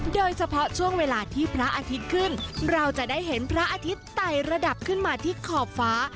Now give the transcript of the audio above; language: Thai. โดยเฉพาะช่วงเวลาที่พระอาทิตย์ขึ้นเราจะได้เห็นพระอาทิตย์ไต่ระดับขึ้นมาที่ขอบฟ้า